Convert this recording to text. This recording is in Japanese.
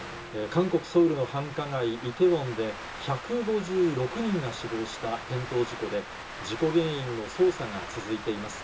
韓国・ソウルの繁華街、イテウォンで、１５６人が死亡した転倒事故で、事故原因の捜査が続いています。